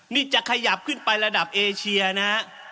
นี่จะขยับขึ้นไประดับเอเชียนะฮะ